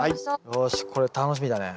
よしこれ楽しみだね。